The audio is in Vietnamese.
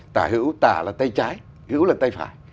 tả hữu tả là tay trái hữu là tay phải